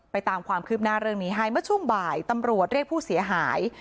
ตามความคืบหน้าเรื่องนี้ให้เมื่อช่วงบ่ายตำรวจเรียกผู้เสียหาย